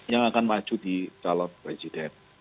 yang akan maju di calon presiden